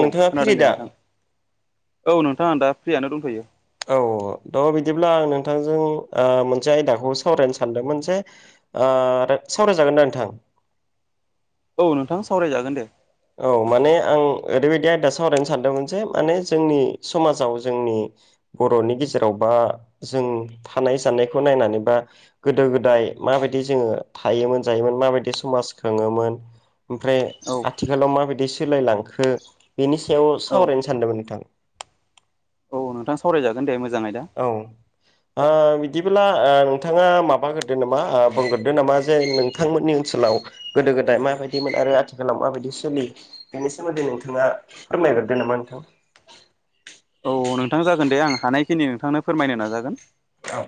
औ नोंथाङा खोनादों फ्रि दा दे नोंथां औ नोंथाङा दा फ्रियानो दंथ'यो। औ थ' बिदिब्ला आं नोंथांजों मोनसे आयदाखौ सावरायनो सानदोंमोन जे सावरायजागोन ना नोंथां। औ नोंथां सावरायजागोन दे। औ माने आं ओरैबायदि आयदा सावरायनो सानदों मोनसे माने जोंनि समाजाव जोंनि बर'नि गेजेराव बा जों थानाय जाननायखौ नायनानै बा गोदो-गोदाय माबायदि जोङो थायोमोन जायोमोन। माबायदि समाज खाङोमोन। ओमफ्राय औ आथिखालाव माबायदि सोलायलांखो बेनि सायाव औ सावरायनो सानदोंमोन नोंथां। औ नोंथां सावरायजागोन दे मोजां आयदा। औ ओ बिदिब्ला ओ नोंथाङा माबाग्रोदो नामा बुंग्रोदो नामा जे नोंथांमोननि ओनसोलाव गोदो-गोदाय माबायदिमोन आरो आथिखालाव माबायदि सोलियो बेनि सोमोन्दै नोंथाङा बुंनायग्रोदो नामा नोंथां [inaudible] औ नोंथां जागोन दे आं हानायखिनि नोंथांनो फोरमायनो नाजागोन। औ।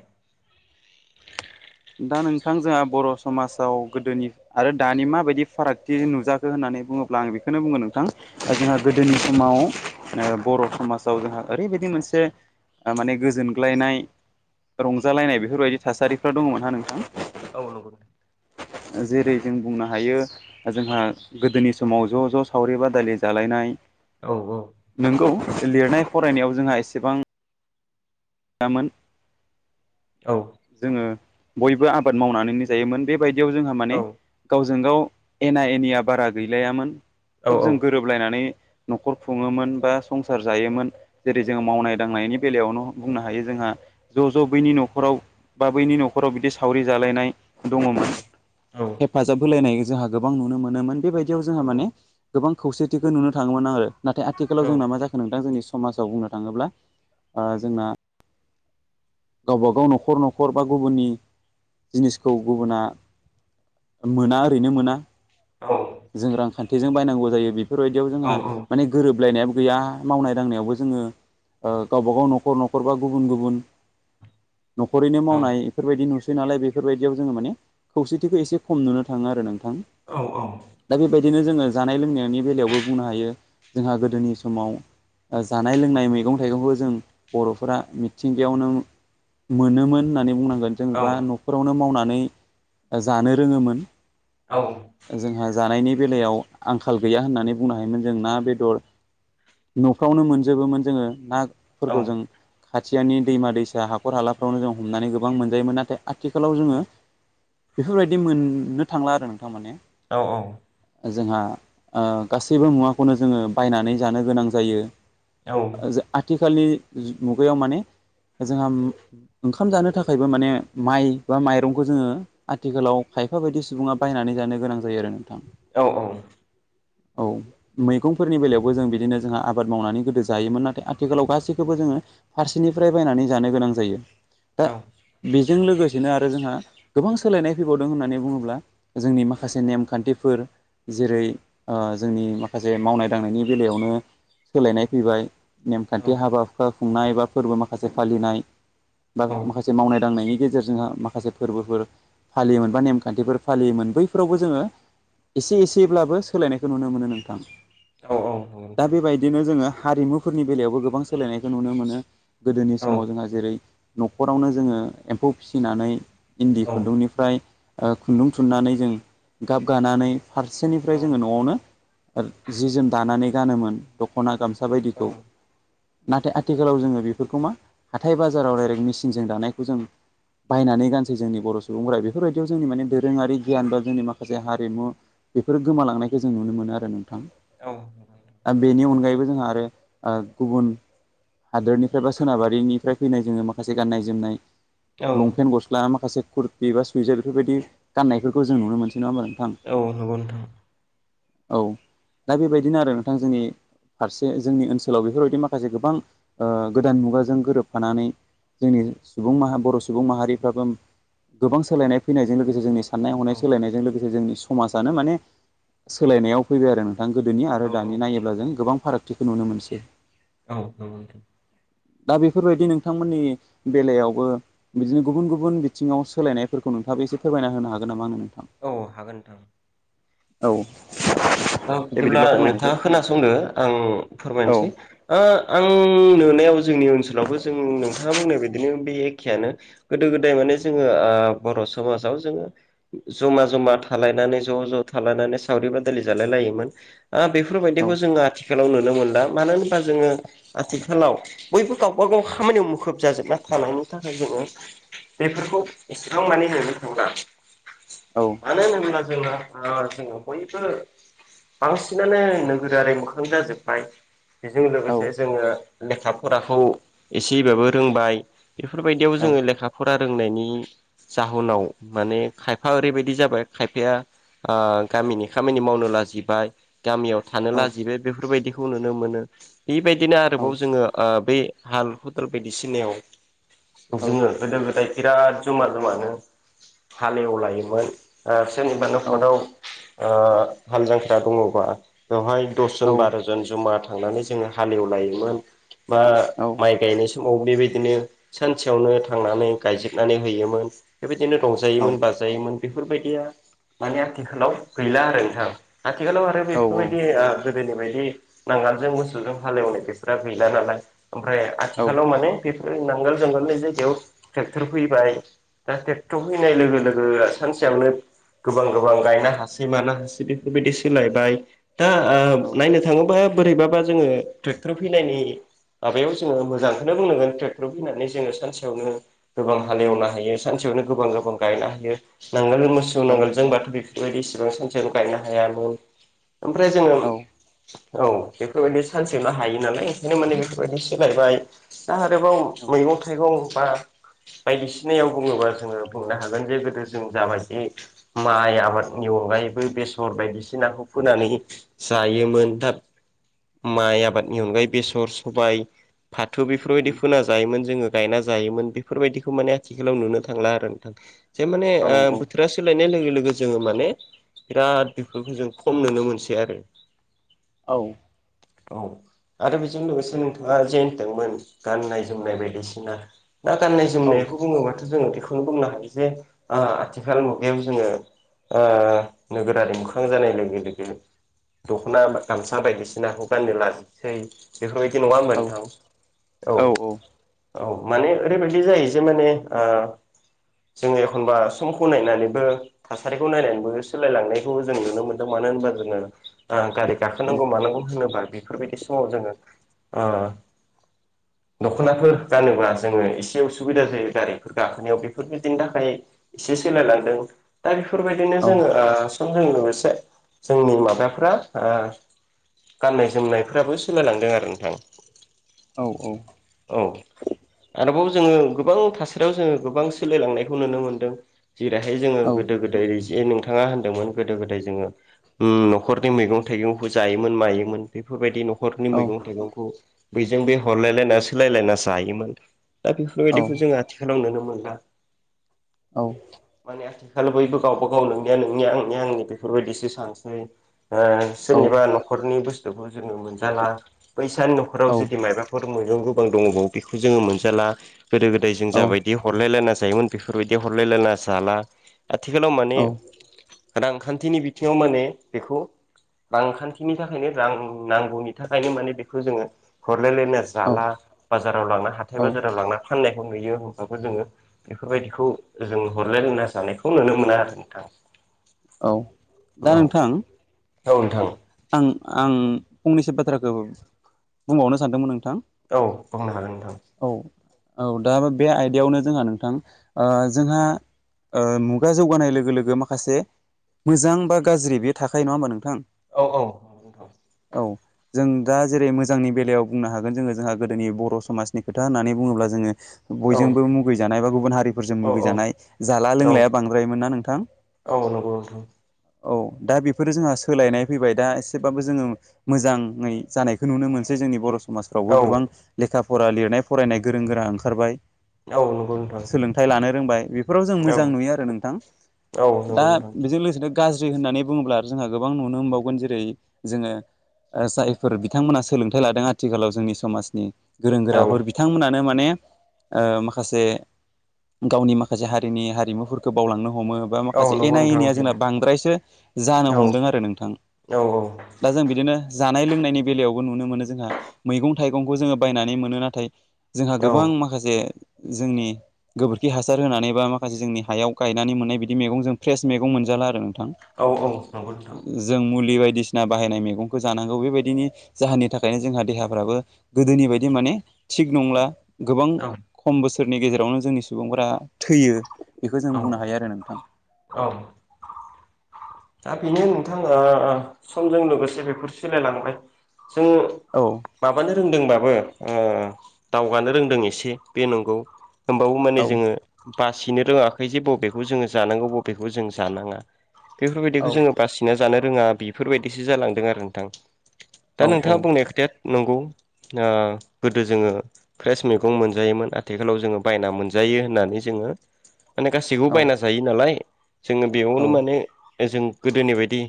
दा नोंथां जोंहा बर' समाजाव गोदोनि आरो दानि माबायदि फारागथि नुजाखो होननानै बुङो। ब्ला आं बेखौनो बुंङो नोंथां दा जोंहा गोदोनि समाव ओ बर' समाजाव जोंहा ओरैबायदि मोन से ओ माने गोजोनग्लायनाय रंजालायनाय बेफोरबायदि थासारिफ्रा दङमोन। ना नोंथां? औ नोंगौ। जेरै जों बुंनो हायो जोंहा गोदोनि समाव ज' ज' सावरि बादालि जालायनाय। औ औ। नोंगौ लिरनाय फरायनायाव जोंहा एसेबां। औ जोङो बयबो आबाद मावनानैनो जायोमोन बे बायदियाव जोंहा माने गावजों गाव एना एनिया बारा गैलायामोन। औ खोब जों औ गोरोबलायनानै न'खर खुङोमोन बा संसार जायोमोन। जेरै जोङो मावनाय दांनायनि बेलायावनो बुंनो हायो जोंहा ज' ज' बैनि न'खराव बा बैनि न'खराव बिदि सावरि जालायनाय। दङमोन औ हेफाजाब होलायनाय जोंहा गोबां नुनो मोनोमोन बेबाय दियाव जोंहा माने गोबां खौसेथिखौ नुनो थाङोमोन आरो नाथाय आथिलाव जोंना मा जाखो नोंथां जोंनि। समाजाव बुंनो थाङोब्ला ओ जोंना गावबा गाव न'खर न'खर बा गुबुननि जिनिसखौ गुबुना मोना ओरैनो मोना जों रांखान्थिजों बायनांगौ जायो बेफोरबायदियाव जोंहा औ माने गोरोबलायनायाबो गैया मावनाय दांनायावबो जोंङो ओ गावबागाव न'खर न'खर बा गुबुन गुबुन न'खरैनो औ मावनाय इफोरबायदि नुसै नालाय बेफोरबायदियाव जोंङो माने खौसेथिखौ एसे खम नुनो थांङो आरो नों औ औ बिदिनो जोंङो जानाय लोंनायनि बेलायावबो बुंनो हायो जोंहा गोदोनि समाव ओ जानाय-लोंनाय, मैगं-थाइगंखौ जों बर'फोरा मिथिंगायाव नो मोनोमोन होननानै बुंनांगोन जों बा न'खरावनो मावना नै जानो रोंङोमोन। जोंहा जानायनि बेलायाव आंखाल गैया होननानै बुंनो हायोमोन जों ना बेदर न'फ्रावनो मोनजोबोमोन जोंङो ना फोरखौ जों खाथियावनि दैमा-दैसा, हाखर- हालाफ्रावनो जों हमनानै गोबां मोनजायोमोन नाथाय आथिखालाव जोंङो बेफोरबायदि मोननो थांला आरो नोंथां माने औ औ जोंहा ओ गासैबो मुवाखौनो जोंङो बायनानै जानो गोनां जायो ओ जो आथिखालनि जु मुगायाव माने जोंहा ओम ओंखाम जानो थाखायबो माने माइ बा माइरंखौ जोंङो आथिखालाव खायफा बेफोरबायदि सुबुंङा बायनानै जानो गोनां जायो आरो नोंथां। औ औ औ मैगंफोरनि बेलायावबो जों बिदिनो जोंहा आबाद मावनानै गोदो जायोमोन नाथाय आथिखालाव गासैखौबो जोंङो फारसेनिफ्राय बायनानै जानो गोनां जायो। दा बे जों लोगोसेनो आरो जोंहा गोबां सोलायनाय फैबावदों होननानै बुंङोब्ला जोंनि माखासे नेमखान्थिफोर जेरै ओ जोंनि माखासे मावनाय-दांनायनि बेलायावनो सोलायनाय फैबाय नेमखान्थि हाबा हुखा खुंनाय बा फोरबो माखासे फालिनाय। बा माखासे मावनाय दांनायनि गेजेरजोंहा माखासे फोरबोफोर फालियोमोन बा नेमखान्थिफोर फालियोमोन बैफोरावबो जोंङो एसे एसेब्लाबो सोलायनायखौ नुनो मोनो नोंथां। दा बेबायदिनो जोंङो हारिमुफोरनि बेलायावबो गोबां सोलायनायखौ नुनो मोनो। गोदोनि समाव जोंहा जेरै न'खरावनो जोंङो एम्फौ फिसिनानै इन्दि औ खुन्दुंनिफ्राय ओ खुन्दुं थुननानै जों गाब गानानै फारसेनिफ्राय औ जोंङो न'आवनो ओ जि जोम दानानै गानोमोन दख'ना गामसा ख'ना औ बायदिखौ नाथाय आथिखालाव जोंङो बे बेफोरखौ मा हाथाय बाजाराव डायरेक्ट मेसिनजों दानायखौ जों बायनानै गानसै जोंनि बर' सुबुंफोरा बेफोरबायदियाव जोंनि माने दोरोंङारि गियान बा जोंनि माखासे हारिमु बेफोर गोमालांनायखौ जों नुनो मोनो आरो नों थां औ आ बेनि अनगायैबो जोंहा आरो ओ गुबुन हादोरनि फ्राय बा सोनाबारिनिफ्राय फैनाय जोंङो माखासे गाननाय जोमनाय औ लंपेन्ट गस्ला माखासे कुरति बा सुइजार बेफोरबायदि गाननायफोरखौ जों नुनो मोनसै नंङा होमबा? नोंथां औ नंगौ नोंथां। औ। दा बेबायदिनो आरो नोंथां जोंनि फारसे जोंनि ओनसोलाव बेफोरबायदि माखासे गोबां ओ गोदान मुगाजों गोरोबफानानै जोंनि सुबुं मा बर' सुबुं माहारिफ्राबो गोबां सोलायनाय फैनायजों लोगोसे जोंनि साननाय औ हनाय सोलायनायजों लोगोसे जोंनि समाजानो माने सोलायनायाव फैबाय आरो नों थां गोदोनि आरो औ औ दानि नायोब्ला जों नंगौ नोंथां गोबां फारागथिखौ नुनो मोनसै। औ नंगौ नोंथां। दा बेफोरबायदि नोंथांमोननि बेलायावबो बिदिनो गुबुन गुबुन बिथिंङाव सोलायनायफोरखौ नोंथांबो एसे फोरमायना होनो हागोन नामा आंनो? नोंथां? औ हागोन नोंथां। औ औ दे बिदिब्ला फोरमायनोसै नोंथाङा खोनासंदो आं औ फोरमायनोसै ओ आं नुनायाव जोंनि ओनसोलावबो जों नोंथाङा बुंनाय बिदिनो बे एखेयानो गोदो गोदाय माने जोङो ओ बर' समाजाव जोङो ज'मा जमा थालायनानै ज' ज' थालायनानै सावरि बादालि जालायलायोमोन ओ औ बेफोरबायदिखौ जो आथिखालाव नुनो मोन ला मानो होनोबा जोङो आथिखालाव बयबो गावबा गाव खामानियाव मुखुब जाजोबना थालांनो थाखाय जोङो बेफोरखौ एसेबां माने नुनो थांला औ मानो होनोब्ला जोङो ओ बयबो बांसिनानो नोगोरारि मोखां जाजोब्बाय बेजों औ लोगोसे जोङो‌ लेखा फराखौ एसेबाबो रोंबाय बेफोरबायदियाव औ जोङो लेखा फरा रोंनायनि नि जाहोनाव माने खायफा ओरैबायदि जाबाय खायफाया ओ गामिनि खामानि मावनो लाजिबाय गामियाव थानो औ लाजिबाय बेफोरबायदिखौ नुनो मोनो बेबायदिनो औ आरोबाव जोङो ओ बेै हाल खदाल बायदिसिनायाव औ जोङो गोदो गोदाय बिराद जमा जमानो हालेवलायोमोन ओ सोरनिबा औ न'खराव ओ हाल जांख्रा दङबा बेवहाय औ दसजन बार'जन जमा थांनानै जोङो हालेवलायोमोन बा औ माइ गायनाय समाव बेबायदिनो सानसेयावनो थांनानै गायजोबनानै होयोमोन बेबायदिनो रंजायोमोन बाजायोमोन बेफोरबायदिया माने आथिखालाव गैला आरो नोंथां आथिखालाव आरो बेफोरबायदि ओ गोदोनि बायदि नांगालजों मोसौजों हालेवनाय बेफोरा गैला नालाय ओमफ्राय औ आथिखालाव माने नांगोल जुंगालनि जायगायाव ट्रेक्टर फैबाय दा ट्रेक्टर फैनाय लोगो लोगो सानसेयावनो गोबां गोबां गायनो हासि नामासि बेफोरबायदि सोलायबाय दा ओ नायनो थाङोबा हो बोरैबाबा जोङो ट्रेक्टर फैनायनि माबायाव जोङो मोजांखौनो बुंनांगोन ट्रेक्टराव फैनानै जोङो सानसेयावनो गोबां हालेवनो हायो सानसे आवनो गोबां गोबां गायनो हायो नांगोल मोसौ नांगोल जोंबाथ' बेफोरबायदि इसेबां सानसे गायनो हायामोन ओमफ्राय जोङो औ बेफोरबायदि सानसेनो हायो नालाय ओंखायनो माने बेफोरबायदि सोलायबाय दा आरोबाव मैगं थाइगं बा बायदिसिनायाव बुङोबा जोङो बुंनो हागोन जे गोदो जों जाबायदि माइ आबादनिअ अगायैबो बेसर बायदिसिनाखौ फोनानै जायोमोन थाब माइ आबादनि अनगायै बेसर सबाय फाथो बेफोरबायदि फोना जायोमोन जोङो गायना जायोमोन बेफोरबायदिखौ माने आथिखालाव नुनो थांला आरो नोंथां जे माने बोथोरा सोलायनाय लोगो लोगो जोङो माने बिराद बेफोरखौ जों खम नुनो मोनसै आरो औ औ आरो बेजों लोगोसे नोंथाङा जेहोनदोंमोन गाननाय जोमनाय बायदिसिना द गान्नाय जोमनायखौ बुङोबाथ' जोङो बेखोनो बुंनो हायो जे ओ आथिखाल मुगायाव जोङो ओ नोगोरारि मो खां जानाय लोगो लोगो दख'ना गामसा बायदिसिनाखौ गाननो लाजिसै बेफोरबाय दि नङा होमबा मोनथां औ औ माने ओरैबायदि जायो जे माने ओ जोङो एखनबा समखौ नायनानैबो थासारिखौ नायनानैबो सोलायलांनायखौ जों नुनो मोनदों मानो होनबा जोङो आ गारि गाखोनांगौ मानांगौ होनोबा बेफोरबायदि समाव जोङो आ [inaudible] दख'नाफोर गानोबा जोङो एसे उसुबिदा जायो गारिफोरा गाखोनायाव बेफोरबायदिनि थाखाय एसे सोलाय लांदो बेफोरबायदिनो जोंङो लोगोसे जोंनि माबाफोरा गाननाय जोमनायफ्राबो सोलायलांदों आरो नोंथां औ औ औ आरोबाव जोङो गोबां थासारियाव जोङो गोबां सोलिायलांनायखौ नुनो मोनदों जेरैहाय जोङो गोदो गोदाय जे नोंथाङा होनदोंमोन गोदो गोदाय जोङो न'खरनि मैगं थाइगंबो जायोमोन मायोमोन बेफोरबायदि नखर न'खरनि मैगं थाइगंखौ बैजों बे हरलायलायना सोलायलायना जायोमोन दा बेफोरबायदिखौ जोङो आथिखालाव नुनो मोनला माने आथिखाल बैखौ बयबो गावबाागाव नोंनिया नोंनिया आंनिया आंनि बेफोरबायदिसो सानसै सोरनिबा न'खरनि बुस्थुखौ जोु मोनजाला बैसानि न'खराव जुदि मायबा फोर मैगं गोबां दङबाव बेखौ जोङो मोनजाला गोदो गोदाय जों जाबायदि हरलायलायना जायोमोन बेफोरबायाददि हरलायलायना जाला आथिखालाव माने रांखान्थिनि बिथिङाव माने बेखौ रांखान्थिनि थाखायनो रां नांगौनि थाखायनो माने बेखौ जोङो हरलायलायनायना जाला बाजाराव लांना हाथाय औ औ बाजाराव लांना फाननायखौ नुयो होमबाबो जोङो बेफोरबायदिखौ जों ह रलाय लायना जानायखौ नुनो मोना आरो नोंथां औ दा नोंथां नोंथां आं आं फंनैसो बाथ्राखौ बुंबावनो सानदोंमोन नों औ बुंनो हागोन नोंथां औ दा बे आयदायावनो जोंहा नोंथां जोंहा मुगा जौगानाय लोगो लोगो माखासे मोजां बा गाज्रि बेयो थाखायो नङा होमबा नोंथां औ औ औ नंगौथ' औ जों दा जेरै मोजांनि बेलायाव बुंनो हागोन जोङो जोंहा गोदोनि बर' समाजनि खोथा होननानै बुङोब्ला जोङो बयजोंबो औ मुगैजानाय बा गुबुन हारिफोरजों औ मुगैजानाय जाला औ लोंलाया बांद्रायोमोन ना नोंथां। औ। [unintelligible] औ दा बेफोरो जोंहा सोलायनाय फैबाय दा एसेबाबो जोङो मोजाङै जानायखौ नुनो मोनसै। बे जोंनि बर' समाजफ्रावबो औ गोबां लेखा फरा लिरनाय फरायनाय गोरों गोरा ओंखारबाय। औ नंगौ नोंथां औ नंगौ नोंथां सोलोंथाय लानो रोंबाय बेफोराव जों मोजां नुयो आरो नोंथां दा बिदिनो गाज्रि होननानै बुङोब्ला जोंहा गोबां नुनो मोनबावगोन जेरै जोङो ओ जायफोर बिथांमोना सोलोंथाय लादों आथिखालाव जोंनि समाजनि गोरों औ गोराफोर बिथांमोनानो माने ओ माखासे गावनि माखासे हारिनि हारिमुफोरखौ बावलांनो हमो बा माखासे औ ए नंगौ एना नोंथां एनिया जोंना बेनो बांद्रायसो जानो औ हमदों आरो नोंथां औ औ दा जों बिदिनो जा नाय लोंनायनि बेलायावबो नुनो मोनो जोंहा मैगं थायगंखौ जोङो बायनानै मोनो नाथाय जोंहा औ गोबां माखासे जोंनि गोबोरखि हासार होनानै बा माखासे जोंनि हायाव गायनानै मोननाय बिदि मैगं जों फ्रेस मैगं मोनजाला आरो नोंथां औ नंगौ नोंथां जों मुलि बायदि सिना बाहायनाय मैगंखौ जानांगौ बेबायदिनि जाहोननि थाखायनो जोंहा देहाफोराबो गोदोनि बायदि माने थिग नंला गोबां औ खम बोसोरनि गेजेरावनो जोंनि सुबुंफोरा थैयो। बेखौ जों औ बुंनो हायो आरो नोंथां। औ दा बेनो नोंथां ओ समजों लोगोसे बेफोर सोलायलांबाय। जों औ माबानो रोंदोंबाबो ओ दावगानो रोंदों एसे बे नंगौ होमबावो माने औ जोङो बासिनो रोङाखै जे बबेखौ जोङो जानांगौ बबेखौ जों जानाङा। बेफोरबायदिखौ औ जोङो बासिना जानो रोङा बेफोरबायदिसो जालांदों आरो नोंथां। दा औ औ नोंथाङा बुंनाय खोथाया नंगौ ओ गोदो जोङो फ्रेस मैगं मोनजायोमोन आथिखालाव जोङो बायना मोनजाय जायो होननानै जोंओ माने गासैबो औ बायना जायो नालाय जोङो बेयावनो माने जों गोदोनि बायदि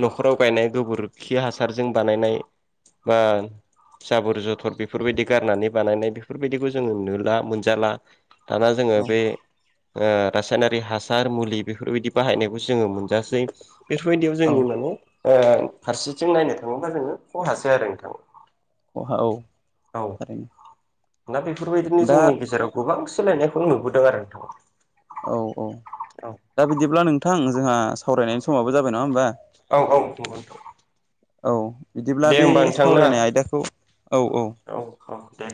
न'खराव गायनाय गोबोरखि हासारजों बानायनाय बा जाबोर जथर बेफोरबायदि गारनानै बानायनाय बेफोरबायदिबो जोङो नुला मोनजाला दाना जोङो औ बे ओ रासायनारि हासार मुलि बेफोरबायदि बाहायनायखौसो जोङो मोन जासै बेफोरबायदियाव औ जोंनि माने ओं फारसेथिं नायनो थाङोबा जोङो खहासो आरो नोंथां। खहा औ औ थारैनो। दा बेफोरबायदिनो दा जोंनि गेजेराव गोबां सोलायनायखौ नुबोदों आरो नोंथां। औ औ दा बिदिब्ला नोंथां जोंहा सावरायनायनि समाबो जाबाय नङा होमबा। औ औ नंगौथ'। औ। बिदिब्ला बे सावरायनाय आयदाखौ औ औ। औ दे